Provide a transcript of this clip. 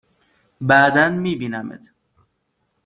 بعدا می بینمت!